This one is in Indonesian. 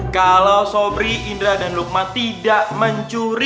kalau sobri indra dan lukma tidak mencuri